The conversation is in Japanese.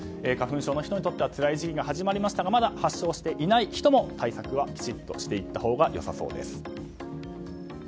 花粉症の人にとってはつらい時期が始まりましたがまだ発症していない人も対策はきちっとしていったほうがよさそうです。